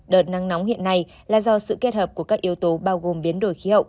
đợt nắng nóng hiện nay là do sự kết hợp của các yếu tố bao gồm biến đổi khí hậu